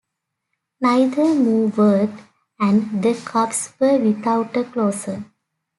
Neither move worked, and the Cubs were without a closer.